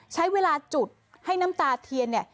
ใช้เวลาจุดให้น้ำตาเทียน